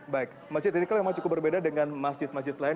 baik masjid istiqlal memang cukup berbeda dengan masjid masjid lain